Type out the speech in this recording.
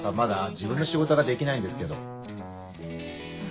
自分の仕事ができないんですけど。